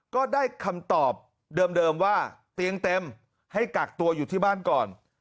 ก็ได้คำตอบเดิมว่าเตียงเต็มให้กักตัวอยู่ที่บ้านก่อน